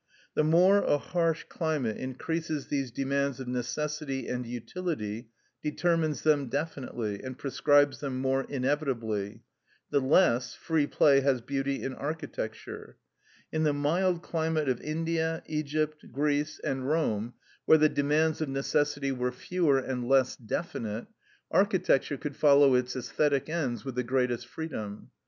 The more a harsh climate increases these demands of necessity and utility, determines them definitely, and prescribes them more inevitably, the less free play has beauty in architecture. In the mild climate of India, Egypt, Greece, and Rome, where the demands of necessity were fewer and less definite, architecture could follow its æsthetic ends with the greatest freedom.